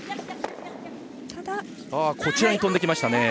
こちらに飛んできました。